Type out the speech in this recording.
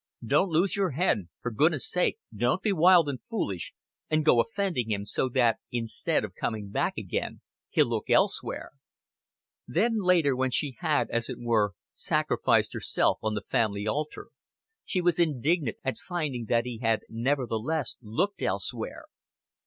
Don't lose your head. For goodness' sake, don't be wild and foolish, and go offending him so that instead of coming back again he'll look elsewhere." Then later, when she had, as it were, sacrificed herself on the family altar, she was indignant at finding that he had nevertheless looked elsewhere.